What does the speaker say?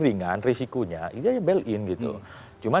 ringan risikonya bel in cuma